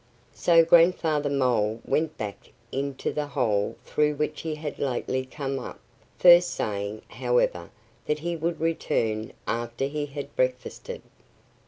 So Grandfather Mole went back into the hole through which he had lately come up, first saying however that he would return after he had breakfasted.